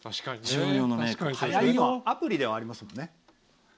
アプリではありますよね。